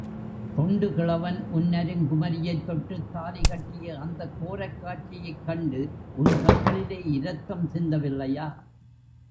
தொண்டு கிழவன் உன்னருங் குமரியைத் தொட்டுத் தாலிகட்டிய அந்தக் கோரக் காட்சியைக்கண்டு உன் கண்களிலே இரத்தம் சிந்தவில்லையா?